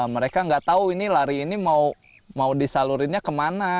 mereka nggak tahu ini lari ini mau disalurinnya kemana